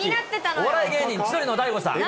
お笑い芸人、千鳥・大悟さん。